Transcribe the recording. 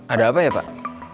ada apa ya pak